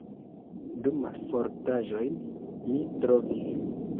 Du malfortaĵojn mi trovis.